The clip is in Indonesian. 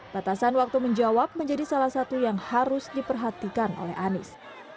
batasan waktu menjawab menjadi salah satu yang harus diperhatikan oleh anies